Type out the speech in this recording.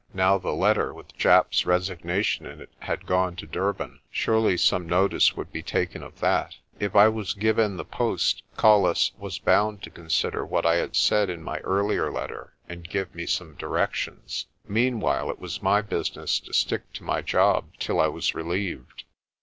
Now the letter with Japp's resignation in it had gone to Durban. Surely some notice would be taken of that. If I was given the post, Colles was bound to consider what I had said in my earlier letter and give me some directions. Meanwhile it was my business to stick to my job till I was relieved.